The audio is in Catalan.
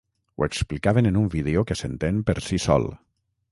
Ho explicaven en un vídeo que s’entén per si sol.